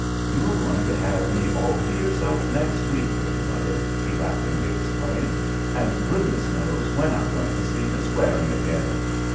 "You are going to have me all to yourself next week, little mother," he laughingly explains; "and goodness knows when I'm going to see Miss Waring again."